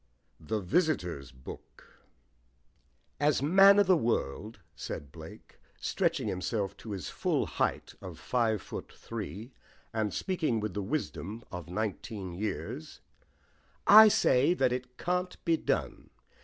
THE VISITORS' BOOK "As man of the world," said Blake, stretching himself to his full height of five foot three, and speaking with the wisdom of nineteen years, "I say that it can't be done.